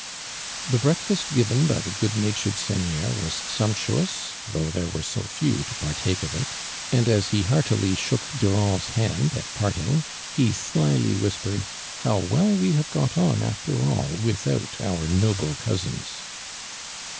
The breakfast given by the good natured seigneur was sumptuous, though there were so few to partake of it ; and as he heartily shook Dm and's hand at parting, ha slyly 6 ARMAND DURAND. r/ whinpered : "How well we have got on after all without our noble oousinH